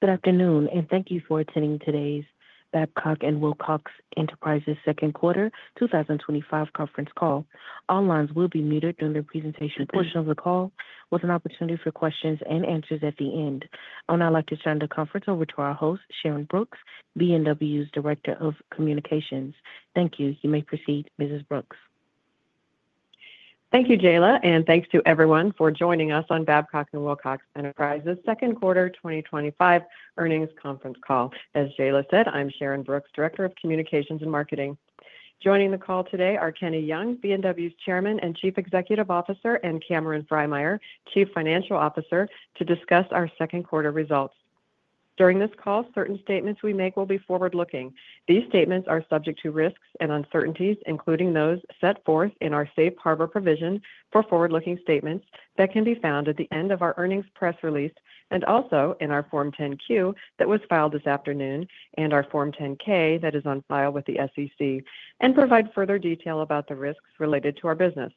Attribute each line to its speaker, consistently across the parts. Speaker 1: Good afternoon, and thank you for attending today's Babcock & Wilcox Enterprises Second Quarter 2025 Conference Call. All lines will be muted during the presentation portion of the call, with an opportunity for questions and answers at the end. I would now like to turn the conference over to our host, Sharyn Brooks, B&W's Director of Communications. Thank you. You may proceed, Mrs. Brooks.
Speaker 2: Thank you, Jayla, and thanks to everyone for joining us on Babcock & Wilcox Enterprises Second Quarter 2025 Earnings Conference Call. As Jayla said, I'm Sharyn Brooks, Director of Communications and Marketing. Joining the call today are Kenny Young, B&W's Chairman and Chief Executive Officer, and Cameron Frymyer, Chief Financial Officer, to discuss our second quarter results. During this call, certain statements we make will be forward-looking. These statements are subject to risks and uncertainties, including those set forth in our Safe Harbor provision for forward-looking statements that can be found at the end of our earnings press release and also in our Form 10-Q that was filed this afternoon and our Form 10-K that is on file with the SEC, and provide further detail about the risks related to our business.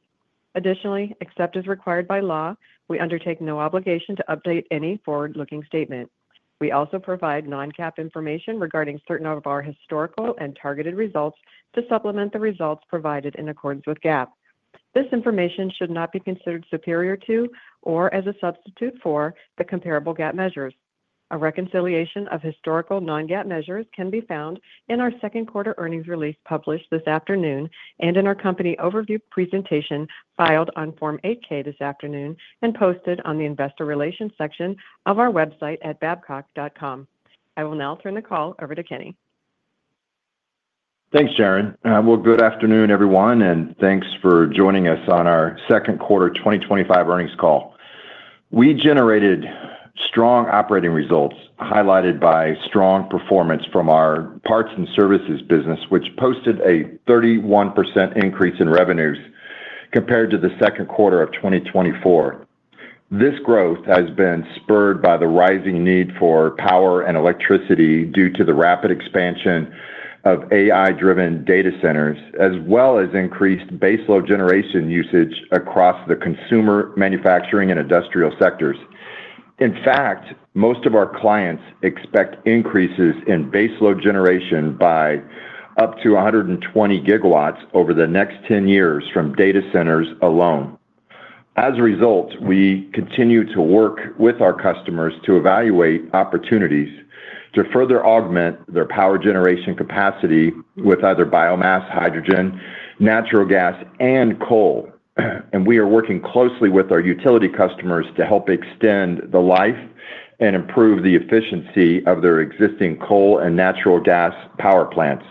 Speaker 2: Additionally, except as required by law, we undertake no obligation to update any forward-looking statement. We also provide non-GAAP information regarding certain of our historical and targeted results to supplement the results provided in accordance with GAAP. This information should not be considered superior to or as a substitute for the comparable GAAP measures. A reconciliation of historical non-GAAP measures can be found in our second quarter earnings release published this afternoon and in our company overview presentation filed on Form 8-K this afternoon and posted on the Investor Relations section of our website at babcock.com. I will now turn the call over to Kenny.
Speaker 3: Thanks, Sharyn. Good afternoon, everyone, and thanks for joining us on our Second Quarter 2025 Earnings Call. We generated strong operating results highlighted by strong performance from our Parts and Services business, which posted a 31% increase in revenues compared to the second quarter of 2024. This growth has been spurred by the rising need for power and electricity due to the rapid expansion of AI-driven data centers, as well as increased baseload generation usage across the consumer, manufacturing, and industrial sectors. In fact, most of our clients expect increases in baseload generation by up to 120 GW over the next 10 years from data centers alone. As a result, we continue to work with our customers to evaluate opportunities to further augment their power generation capacity with either biomass, hydrogen, natural gas, and coal, and we are working closely with our utility customers to help extend the life and improve the efficiency of their existing coal and natural gas power plants.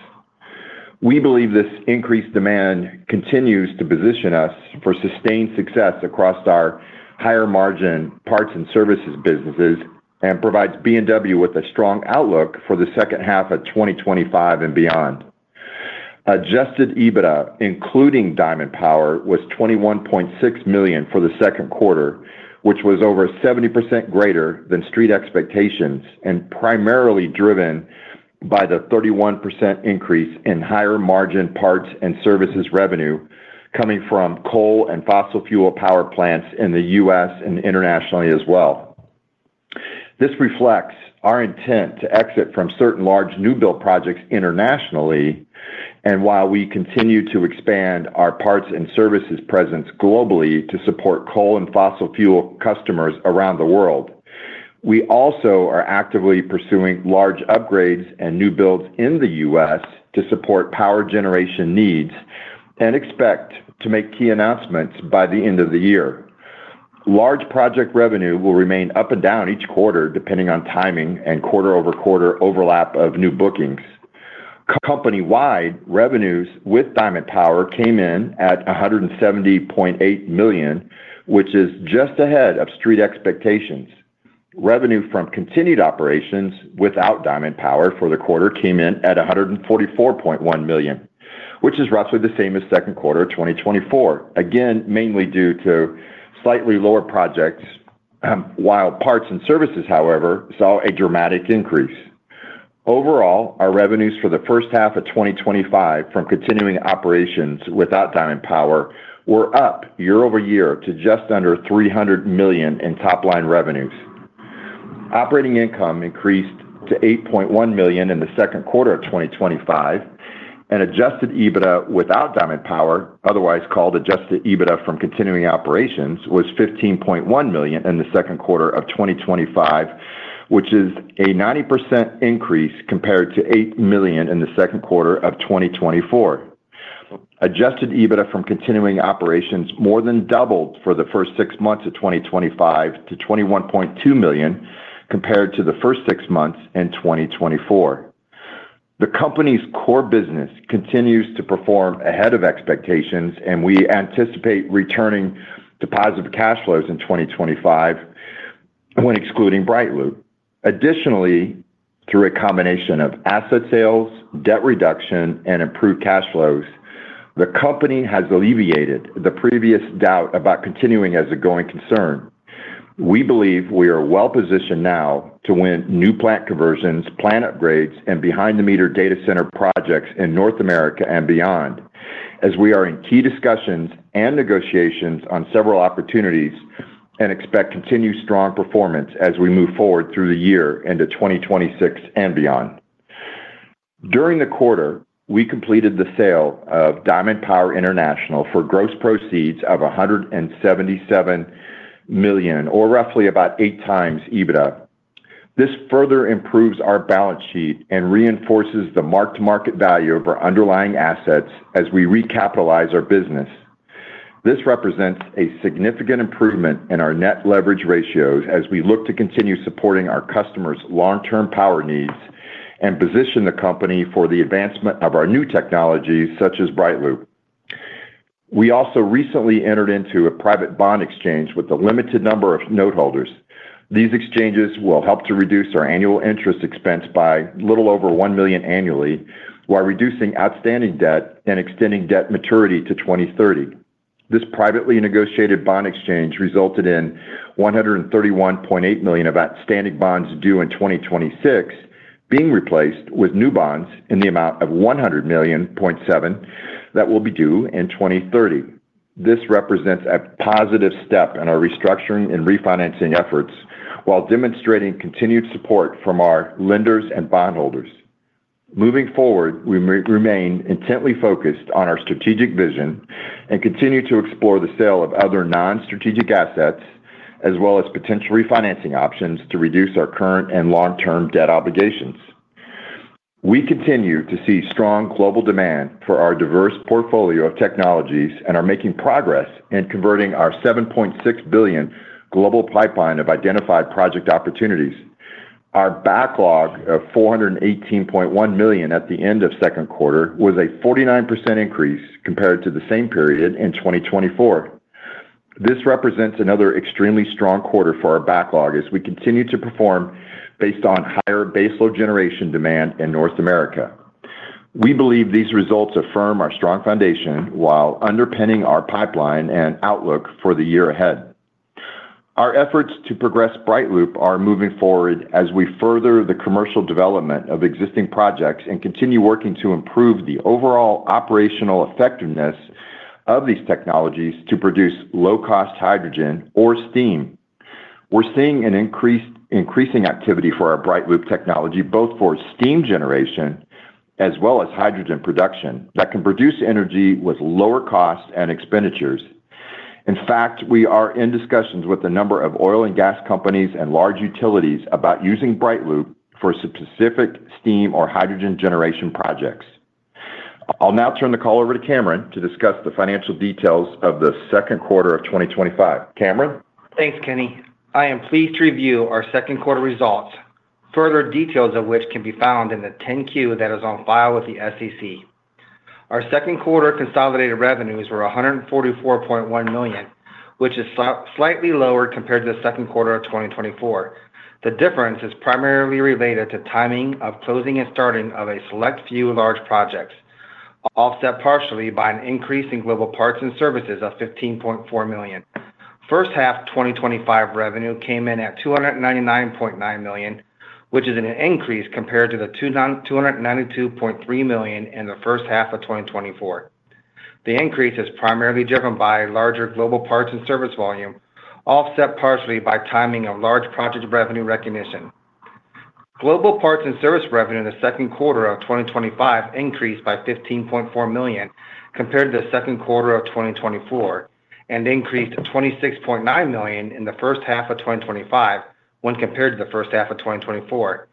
Speaker 3: We believe this increased demand continues to position us for sustained success across our higher margin Parts and Services businesses and provides Babcock & Wilcox Enterprises with a strong outlook for the second half of 2025 and beyond. Adjusted EBITDA, including Diamond Power International, was $21.6 million for the second quarter, which was over 70% greater than street expectations and primarily driven by the 31% increase in higher margin Parts and Services revenue coming from coal and fossil fuel power plants in the U.S. and internationally as well. This reflects our intent to exit from certain large new build projects internationally, and while we continue to expand our Parts and Services presence globally to support coal and fossil fuel customers around the world, we also are actively pursuing large upgrades and new builds in the U.S. to support power generation needs and expect to make key announcements by the end of the year. Large project revenue will remain up and down each quarter depending on timing and quarter-over-quarter overlap of new bookings. Company-wide, revenues with Diamond Power International came in at $170.8 million, which is just ahead of street expectations. Revenue from continued operations without Diamond Power International for the quarter came in at $144.1 million, which is roughly the same as second quarter 2024, again mainly due to slightly lower projects, while Parts and Services, however, saw a dramatic increase. Overall, our revenues for the first half of 2025 from continuing operations without Diamond Power were up year-over-year to just under $300 million in top line revenues. Operating income increased to $8.1 million in the second quarter of 2025, and adjusted EBITDA without Diamond Power, otherwise called adjusted EBITDA from continuing operations, was $15.1 million in the second quarter of 2025, which is a 90% increase compared to $8 million in the second quarter of 2024. Adjusted EBITDA from continuing operations more than doubled for the first six months of 2025 to $21.2 million compared to the first six months in 2024. The company's core business continues to perform ahead of expectations, and we anticipate returning to positive cash flows in 2025 when excluding BrightLoop. Additionally, through a combination of asset sales, debt reduction, and improved cash flows, the company has alleviated the previous doubt about continuing as a going concern. We believe we are well positioned now to win new plant conversions, plant upgrades, and behind-the-meter data center projects in North America and beyond, as we are in key discussions and negotiations on several opportunities and expect continued strong performance as we move forward through the year into 2026 and beyond. During the quarter, we completed the sale of Diamond Power International for gross proceeds of $177 million, or roughly about eight times EBITDA. This further improves our balance sheet and reinforces the market value of our underlying assets as we recapitalize our business. This represents a significant improvement in our net leverage ratios as we look to continue supporting our customers' long-term power needs and position the company for the advancement of our new technologies such as BrightLoop. We also recently entered into a private bond exchange with a limited number of noteholders. These exchanges will help to reduce our annual interest expense by a little over $1 million annually, while reducing outstanding debt and extending debt maturity to 2030. This privately negotiated bond exchange resulted in $131.8 million of outstanding bonds due in 2026 being replaced with new bonds in the amount of $100.7 million that will be due in 2030. This represents a positive step in our restructuring and refinancing efforts, while demonstrating continued support from our lenders and bondholders. Moving forward, we remain intently focused on our strategic vision and continue to explore the sale of other non-strategic assets as well as potential refinancing options to reduce our current and long-term debt obligations. We continue to see strong global demand for our diverse portfolio of technologies and are making progress in converting our $7.6 billion global pipeline of identified project opportunities. Our backlog of $418.1 million at the end of the second quarter was a 49% increase compared to the same period in 2024. This represents another extremely strong quarter for our backlog as we continue to perform based on higher baseload generation demand in North America. We believe these results affirm our strong foundation while underpinning our pipeline and outlook for the year ahead. Our efforts to progress BrightLoop are moving forward as we further the commercial development of existing projects and continue working to improve the overall operational effectiveness of these technologies to produce low-cost hydrogen or steam. We're seeing increasing activity for our BrightLoop technology, both for steam generation as well as hydrogen production that can produce energy with lower costs and expenditures. In fact, we are in discussions with a number of oil and gas companies and large utilities about using BrightLoop for specific steam or hydrogen generation projects. I'll now turn the call over to Cameron to discuss the financial details of the second quarter of 2025. Cameron?
Speaker 4: Thanks, Kenny. I am pleased to review our second quarter results, further details of which can be found in the 10-Q that is on file with the SEC. Our second quarter consolidated revenues were $144.1 million, which is slightly lower compared to the second quarter of 2024. The difference is primarily related to timing of closing and starting of a select few large projects, offset partially by an increase in global parts and services of $15.4 million. First half 2025 revenue came in at $299.9 million, which is an increase compared to the $292.3 million in the first half of 2024. The increase is primarily driven by larger global parts and service volume, offset partially by timing of large project revenue recognition. Global parts and service revenue in the second quarter of 2025 increased by $15.4 million compared to the second quarter of 2024 and increased $26.9 million in the first half of 2025 when compared to the first half of 2024.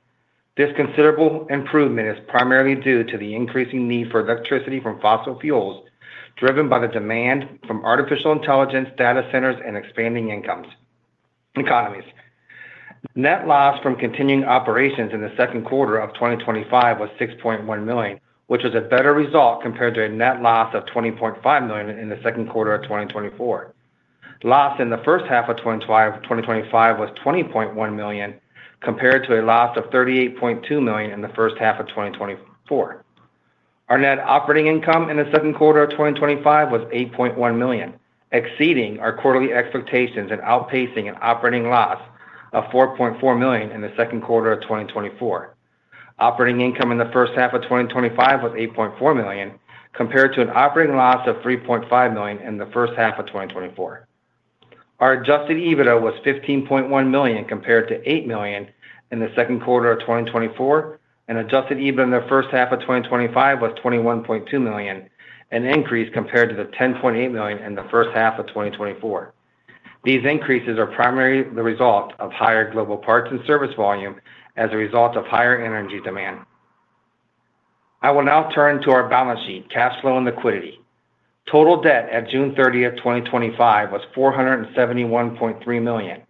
Speaker 4: This considerable improvement is primarily due to the increasing need for electricity from fossil fuels, driven by the demand from artificial intelligence, data centers, and expanding incomes. Net loss from continuing operations in the second quarter of 2025 was $6.1 million, which was a better result compared to a net loss of $20.5 million in the second quarter of 2024. Loss in the first half of 2025 was $20.1 million compared to a loss of $38.2 million in the first half of 2024. Our net operating income in the second quarter of 2025 was $8.1 million, exceeding our quarterly expectations and outpacing an operating loss of $4.4 million in the second quarter of 2024. Operating income in the first half of 2025 was $8.4 million compared to an operating loss of $3.5 million in the first half of 2024. Our adjusted EBITDA was $15.1 million compared to $8 million in the second quarter of 2024, and adjusted EBITDA in the first half of 2025 was $21.2 million, an increase compared to the $10.8 million in the first half of 2024. These increases are primarily the result of higher global parts and service volume as a result of higher energy demand. I will now turn to our balance sheet, cash flow, and liquidity. Total debt at June 30, 2025 was $471.3 million,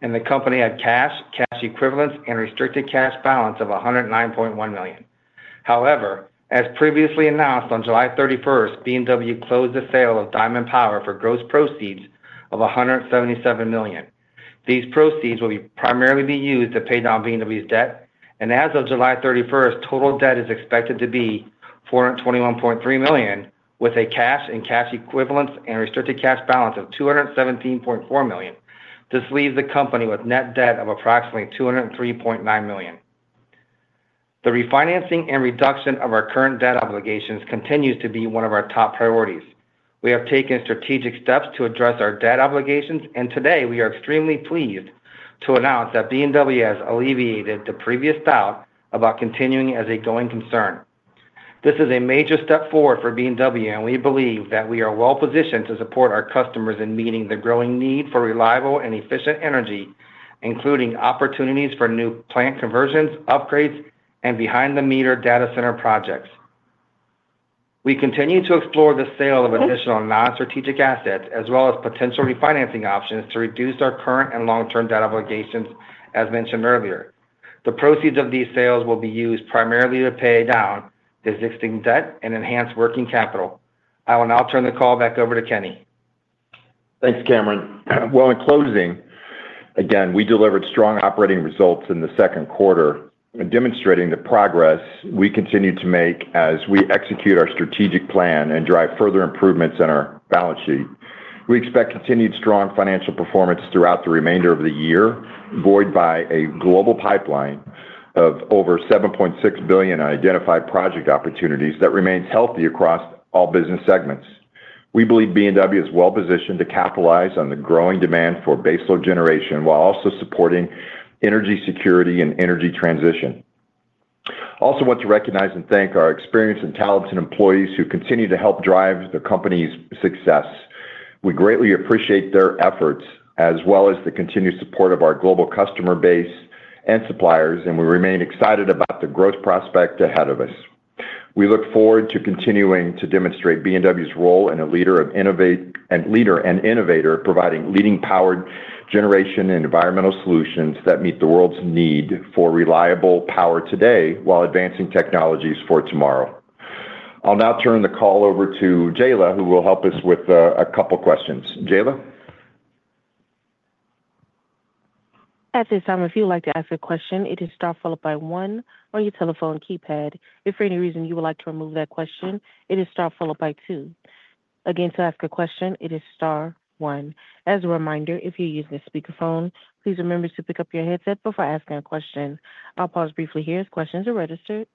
Speaker 4: and the company had cash, cash equivalents, and restricted cash balance of $109.1 million. However, as previously announced on July 31, Babcock & Wilcox Enterprises closed the sale of Diamond Power International for gross proceeds of $177 million. These proceeds will primarily be used to pay down Babcock & Wilcox Enterprises' debt, and as of July 31, total debt is expected to be $421.3 million with a cash and cash equivalents and restricted cash balance of $217.4 million. This leaves the company with net debt of approximately $203.9 million. The refinancing and reduction of our current debt obligations continues to be one of our top priorities. We have taken strategic steps to address our debt obligations, and today we are extremely pleased to announce that Babcock & Wilcox Enterprises has alleviated the previous doubt about continuing as a going concern. This is a major step forward for Babcock & Wilcox Enterprises, and we believe that we are well positioned to support our customers in meeting the growing need for reliable and efficient energy, including opportunities for new plant conversions, upgrades, and behind-the-meter data center projects. We continue to explore the sale of additional non-strategic assets as well as potential refinancing options to reduce our current and long-term debt obligations, as mentioned earlier. The proceeds of these sales will be used primarily to pay down existing debt and enhance working capital. I will now turn the call back over to Kenny.
Speaker 3: Thanks, Cameron. In closing, again, we delivered strong operating results in the second quarter, demonstrating the progress we continue to make as we execute our strategic plan and drive further improvements in our balance sheet. We expect continued strong financial performance throughout the remainder of the year, buoyed by a global pipeline of over $7.6 billion identified project opportunities that remains healthy across all business segments. We believe Babcock & Wilcox Enterprises is well positioned to capitalize on the growing demand for baseload generation while also supporting energy security and energy transition. I also want to recognize and thank our experienced and talented employees who continue to help drive the company's success. We greatly appreciate their efforts as well as the continued support of our global customer base and suppliers, and we remain excited about the growth prospect ahead of us. We look forward to continuing to demonstrate Babcock & Wilcox Enterprises' role as a leader and innovator, providing leading power generation and environmental solutions that meet the world's need for reliable power today while advancing technologies for tomorrow. I'll now turn the call over to Jayla, who will help us with a couple of questions. Jayla?
Speaker 1: At this time, if you would like to ask a question, it is star followed by one on your telephone keypad. If for any reason you would like to remove that question, it is star followed by two. Again, to ask a question, it is star one. As a reminder, if you're using a speakerphone, please remember to pick up your headset before asking a question. I'll pause briefly here as questions are registered.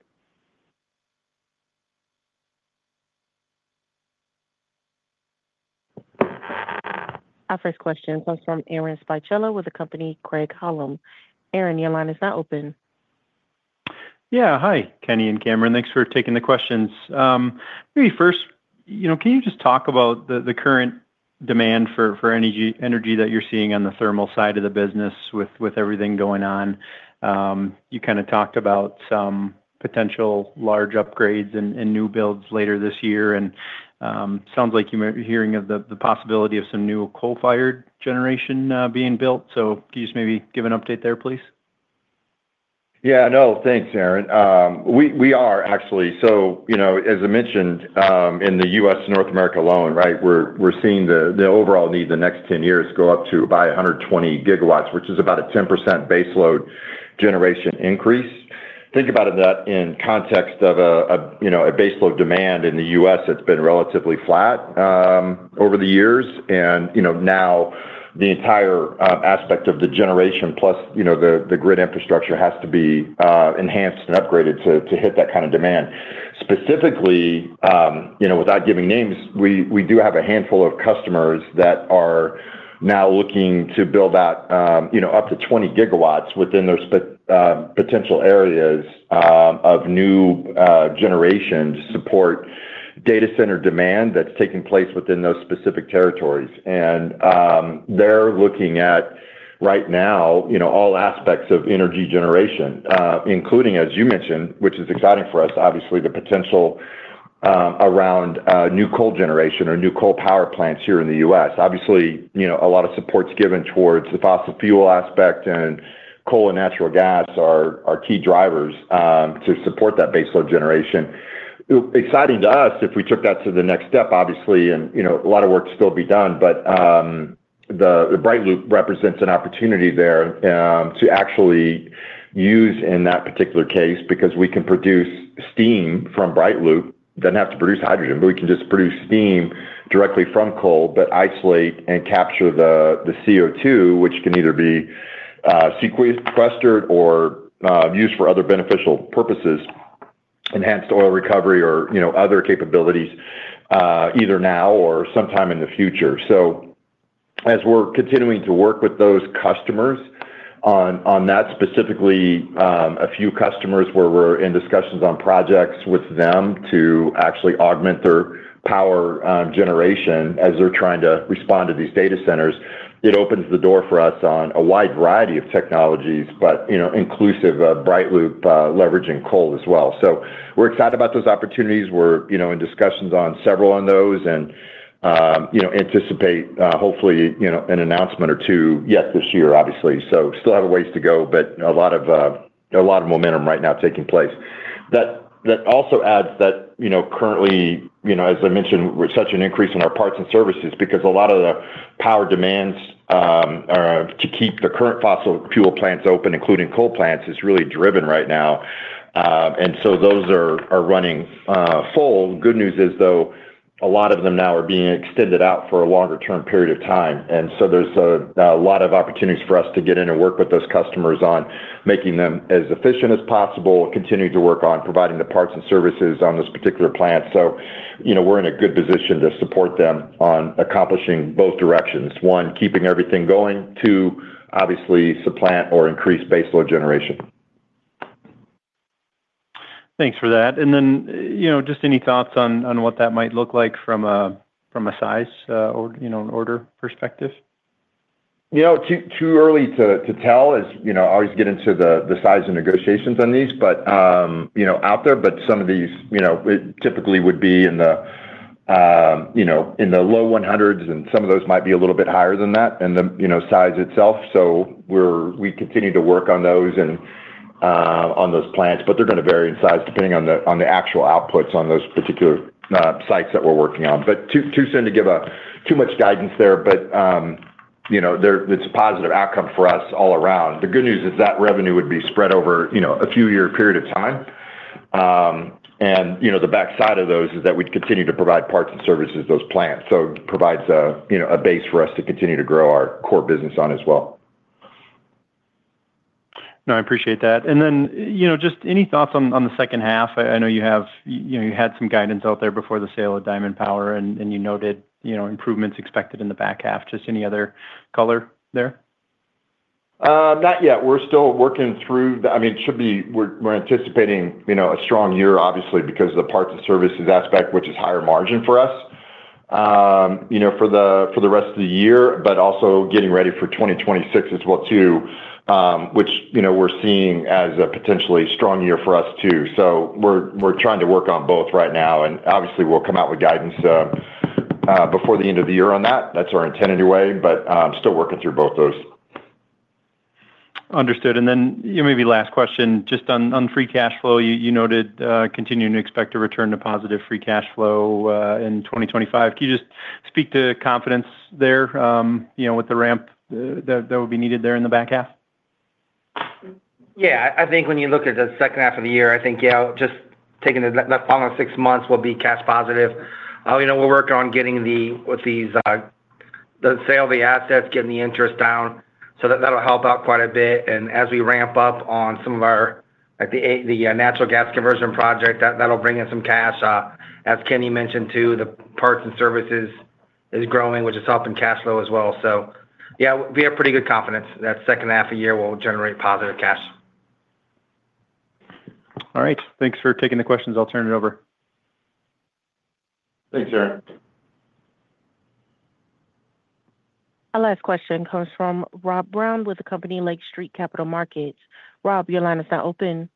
Speaker 1: Our first question comes from Aaron Spychalla with the company Craig-Hallum. Aaron, your line is now open.
Speaker 5: Yeah. Hi, Kenny and Cameron. Thanks for taking the questions. Maybe first, can you just talk about the current demand for energy that you're seeing on the thermal side of the business with everything going on? You kind of talked about some potential large upgrades and new builds later this year, and it sounds like you're hearing of the possibility of some new coal-fired generation being built. Can you just maybe give an update there, please?
Speaker 3: Yeah, no, thanks, Aaron. We are actually, as I mentioned, in the U.S. to North America alone, we're seeing the overall need in the next 10 years go up to about 120 GW, which is about a 10% baseload generation increase. Think about that in context of a baseload demand in the U.S. that's been relatively flat over the years, and now the entire aspect of the generation plus the grid infrastructure has to be enhanced and upgraded to hit that kind of demand. Specifically, without giving names, we do have a handful of customers that are now looking to build out up to 20 GW within their potential areas of new generation to support data center demand that's taking place within those specific territories. They're looking at right now all aspects of energy generation, including, as you mentioned, which is exciting for us, obviously, the potential around new coal generation or new coal power plants here in the U.S. Obviously, a lot of support's given towards the fossil fuel aspect, and coal and natural gas are key drivers to support that baseload generation. Exciting to us if we took that to the next step, and a lot of work to still be done, but the BrightLoop represents an opportunity there to actually use in that particular case because we can produce steam from BrightLoop. It doesn't have to produce hydrogen, but we can just produce steam directly from coal, but isolate and capture the CO2, which can either be sequestered or used for other beneficial purposes, enhanced oil recovery, or other capabilities either now or sometime in the future. As we're continuing to work with those customers on that, specifically a few customers where we're in discussions on projects with them to actually augment their power generation as they're trying to respond to these data centers, it opens the door for us on a wide variety of technologies, inclusive of BrightLoop leveraging coal as well. We're excited about those opportunities. We're in discussions on several of those and anticipate hopefully an announcement or two yet this year, obviously. We still have a ways to go, but a lot of momentum right now taking place. That also adds that, you know, currently, as I mentioned, we're seeing such an increase in our parts and services because a lot of the power demands to keep the current fossil fuel plants open, including coal plants, is really driven right now. Those are running full. The good news is, though, a lot of them now are being extended out for a longer-term period of time. There's a lot of opportunities for us to get in and work with those customers on making them as efficient as possible, continuing to work on providing the parts and services on those particular plants. We're in a good position to support them on accomplishing both directions. One, keeping everything going. Two, obviously supplant or increase baseload generation.
Speaker 5: Thanks for that. You know, just any thoughts on what that might look like from a size or an order perspective?
Speaker 3: Too early to tell, as you know, I always get into the size of negotiations on these, but out there, some of these typically would be in the low $100 million, and some of those might be a little bit higher than that in the size itself. We continue to work on those and on those plants, but they're going to vary in size depending on the actual outputs on those particular sites that we're working on. It's too soon to give too much guidance there, but it's a positive outcome for us all around. The good news is that revenue would be spread over a few-year period of time. The backside of those is that we'd continue to provide parts and services to those plants. It provides a base for us to continue to grow our core business on as well.
Speaker 5: I appreciate that. Do you have any thoughts on the second half? I know you had some guidance out there before the sale of Diamond Power, and you noted improvements expected in the back half. Is there any other color there?
Speaker 3: Not yet. We're still working through it. I mean, it should be, we're anticipating, you know, a strong year, obviously, because of the parts and services aspect, which is higher margin for us, you know, for the rest of the year, but also getting ready for 2026 as well, too, which, you know, we're seeing as a potentially strong year for us, too. We're trying to work on both right now, and obviously, we'll come out with guidance before the end of the year on that. That's our intent anyway, but still working through both those.
Speaker 5: Understood. Maybe last question just on free cash flow. You noted continuing to expect a return to positive free cash flow in 2025. Can you just speak to confidence there, you know, with the ramp that would be needed there in the back half?
Speaker 4: I think when you look at the second half of the year, just taking the following six months will be cash positive. We're working on getting the sale of the assets, getting the interest down. That'll help out quite a bit. As we ramp up on some of our natural gas conversion project, that'll bring in some cash. As Kenny mentioned too, the parts and services is growing, which is helping cash flow as well. We have pretty good confidence that second half of the year will generate positive cash.
Speaker 5: All right. Thanks for taking the questions. I'll turn it over.
Speaker 3: Thanks, Aaron.
Speaker 1: Our last question comes from Rob Brown with Lake Street Capital Markets. Rob, your line is now open.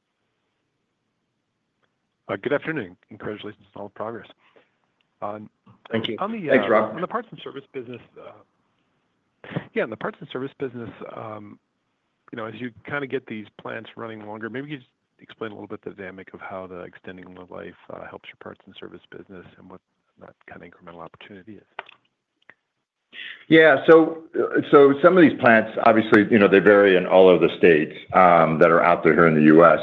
Speaker 6: Good afternoon. Congratulations on all the progress.
Speaker 4: Thank you.
Speaker 6: On the parts and service business, in the parts and service business, you know as you kind of get these plants running longer, maybe you can explain a little bit the dynamic of how extending the life helps your parts and service business and what that kind of incremental opportunity is.
Speaker 3: Yeah. Some of these plants, obviously, you know they vary in all of the states that are out there here in the U.S.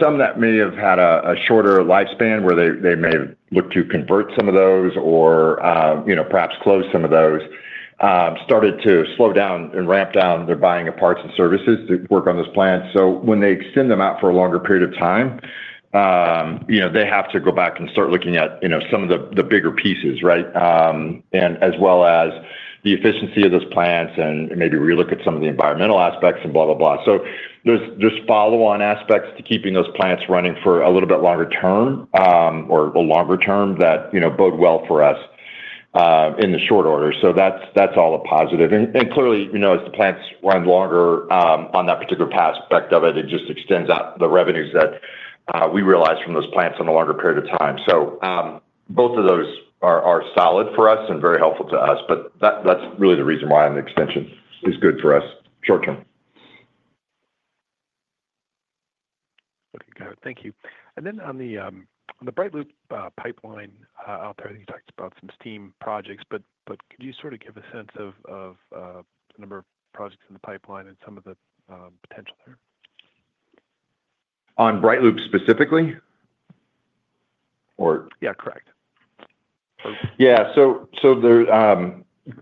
Speaker 3: Some that may have had a shorter lifespan where they may have looked to convert some of those or perhaps close some of those started to slow down and ramp down their buying of parts and services to work on those plants. When they extend them out for a longer period of time, they have to go back and start looking at some of the bigger pieces, right? As well as the efficiency of those plants and maybe relook at some of the environmental aspects and blah, blah, blah. There are follow-on aspects to keeping those plants running for a little bit longer term or a longer term that bode well for us in the short order. That's all a positive. Clearly, as the plants run longer on that particular aspect of it, it just extends out the revenues that we realize from those plants in a longer period of time. Both of those are solid for us and very helpful to us. That's really the reason why the extension is good for us short term.
Speaker 6: Good to go. Thank you. On the BrightLoop pipeline, I'll pardon you, talked about some steam projects, but could you sort of give a sense of the number of projects in the pipeline and some of the potential there?
Speaker 3: On BrightLoop specifically?
Speaker 6: Yeah, correct.
Speaker 3: Yeah.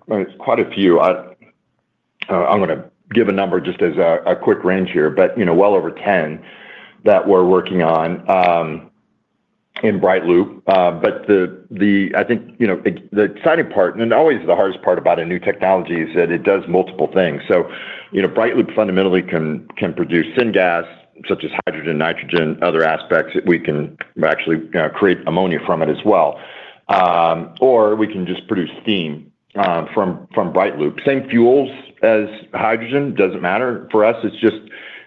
Speaker 3: There's quite a few. I'm going to give a number just as a quick range here, but you know well over 10 that we're working on in BrightLoop. I think the exciting part, and always the hardest part about a new technology, is that it does multiple things. BrightLoop fundamentally can produce syngas such as hydrogen, nitrogen, and other aspects that we can actually create ammonia from as well. Or we can just produce steam from BrightLoop. Same fuels as hydrogen, doesn't matter for us. It's just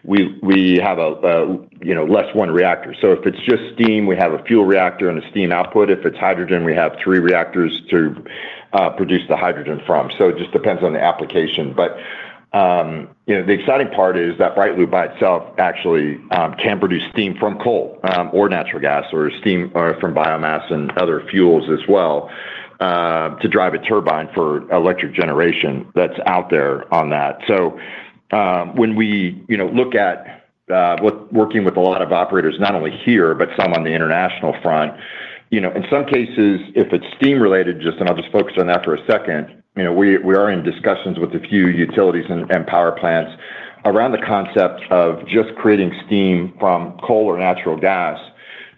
Speaker 3: we have a less one reactor. If it's just steam, we have a fuel reactor and a steam output. If it's hydrogen, we have three reactors to produce the hydrogen from. It just depends on the application. The exciting part is that BrightLoop by itself actually can produce steam from coal or natural gas or steam from biomass and other fuels as well to drive a turbine for electric generation that's out there on that. When we look at working with a lot of operators, not only here, but some on the international front, in some cases, if it's steam-related, just, and I'll just focus on that for a second, we are in discussions with a few utilities and power plants around the concept of just creating steam from coal or natural gas,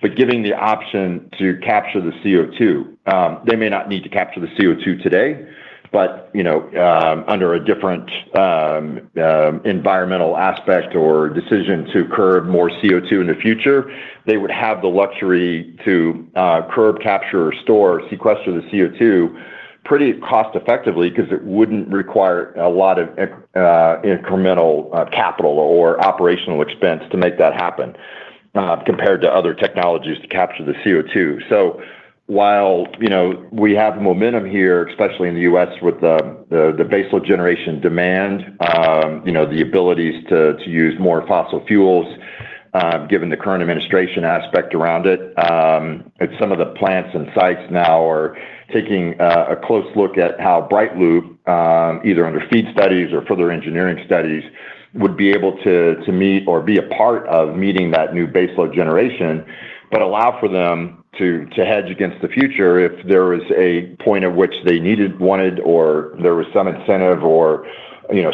Speaker 3: but giving the option to capture the CO2. They may not need to capture the CO2 today, but under a different environmental aspect or decision to curb more CO2 in the future, they would have the luxury to curb, capture, or store, sequester the CO2 pretty cost-effectively because it wouldn't require a lot of incremental capital or operational expense to make that happen compared to other technologies to capture the CO2. While we have the momentum here, especially in the U.S. with the baseload generation demand, the abilities to use more fossil fuels, given the current administration aspect around it, some of the plants and sites now are taking a close look at how BrightLoop, either under feed studies or further engineering studies, would be able to meet or be a part of meeting that new baseload generation, but allow for them to hedge against the future if there was a point at which they needed, wanted, or there was some incentive or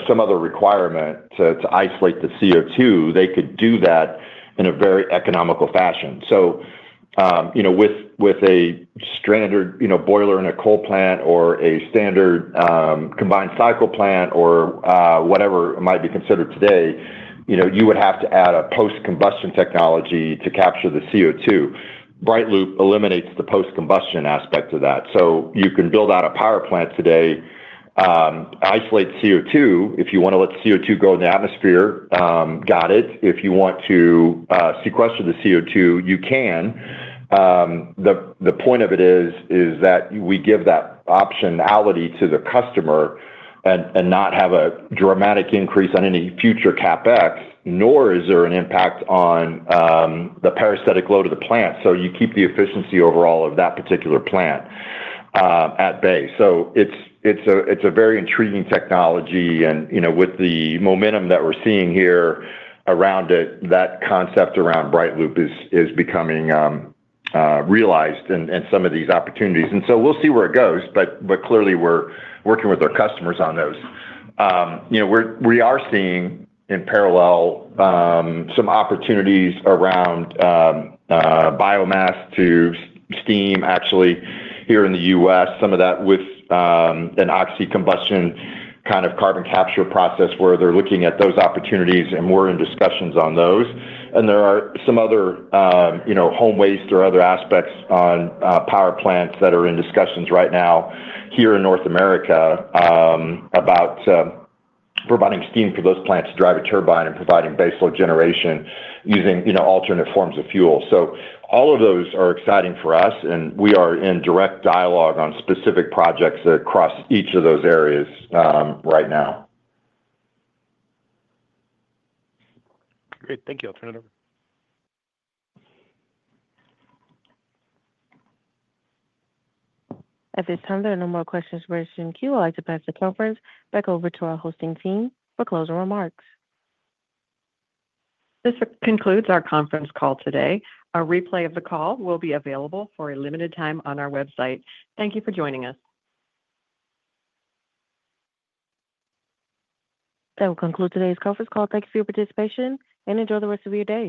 Speaker 3: some other requirement to isolate the CO2, they could do that in a very economical fashion. With a standard boiler in a coal plant or a standard combined cycle plant or whatever it might be considered today, you would have to add a post-combustion technology to capture the CO2. BrightLoop eliminates the post-combustion aspect of that. You can build out a power plant today, isolate CO2 if you want to let CO2 go in the atmosphere, got it. If you want to sequester the CO2, you can. The point of it is that we give that optionality to the customer and not have a dramatic increase on any future CapEx, nor is there an impact on the parasitic load of the plant. You keep the efficiency overall of that particular plant at bay. It's a very intriguing technology. With the momentum that we're seeing here around it, that concept around BrightLoop is becoming realized in some of these opportunities. We'll see where it goes, but clearly, we're working with our customers on those. We are seeing in parallel some opportunities around biomass to steam, actually, here in the U.S., some of that with an oxycombustion kind of carbon capture process where they're looking at those opportunities and we're in discussions on those. There are some other home waste or other aspects on power plants that are in discussions right now here in North America about providing steam for those plants to drive a turbine and providing baseload generation using alternate forms of fuel. All of those are exciting for us, and we are in direct dialogue on specific projects across each of those areas right now.
Speaker 6: Great. Thank you, alternative.
Speaker 1: At this time, there are no more questions for our Q&A. I'd like to pass the conference back over to our hosting team for closing remarks.
Speaker 2: This concludes our conference call today. A replay of the call will be available for a limited time on our website. Thank you for joining us.
Speaker 1: That will conclude today's conference call. Thanks for your participation and enjoy the rest of your day.